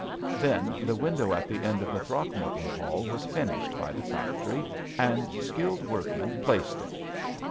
Then the window at the end of the Throck morton hall was finished by the factory and skilled workmen placed it.